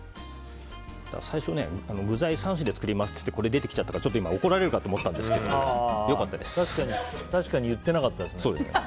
最初、具材３品で作りますって言ってこれ出てきちゃったから今怒られると思ったんですけど確かに言ってなかったですね。